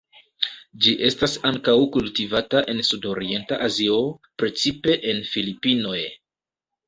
Ĝi estas ankaŭ kultivata en Sudorienta Azio, precipe en Filipinoj.